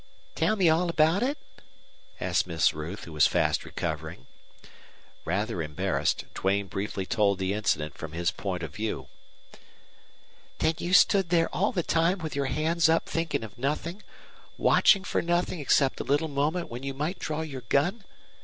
"Tell me all about it?" asked Miss Ruth, who was fast recovering. Rather embarrassed, Duane briefly told the incident from his point of view. "Then you stood there all the time with your hands up thinking of nothing watching for nothing except a little moment when you might draw your gun?"